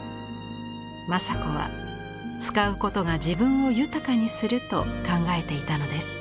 正子は使うことが自分を豊かにすると考えていたのです。